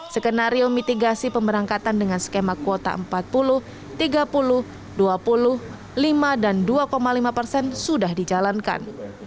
skenario mitigasi pemberangkatan dengan skema kuota empat puluh tiga puluh dua puluh lima dan dua lima persen sudah dijalankan